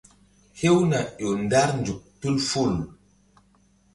Hewna ƴo ndar nzuk tul ful.